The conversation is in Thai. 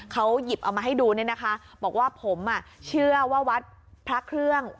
เขาหยิบเอามาให้ดูเนี่ยนะคะบอกว่าผมอ่ะเชื่อว่าวัดพระเครื่อง